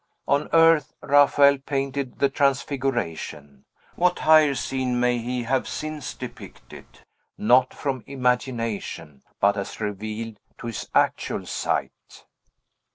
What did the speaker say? On earth, Raphael painted the Transfiguration. What higher scene may he have since depicted, not from imagination, but as revealed to his actual sight!